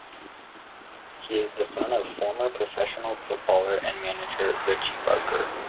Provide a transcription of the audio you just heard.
He is the son of former professional footballer and manager Richie Barker.